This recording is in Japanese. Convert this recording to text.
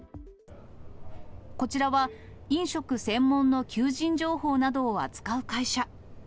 こちらは飲食専門の求人情報などを扱う会社。